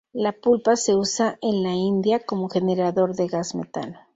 La pulpa se usa en la India como generador de gas metano.